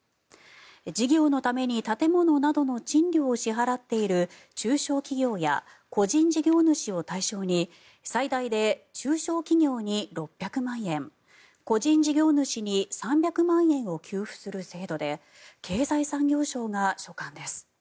事業のために建物などの賃料を支払っている中小企業や個人事業主を対象に最大で中小企業に６００万円個人事業主に３００万円を給付する制度で経済産業省が所管です。